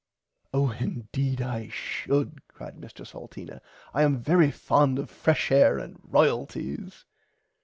Oh indeed I should cried Mr Salteena I am very fond of fresh air and royalties.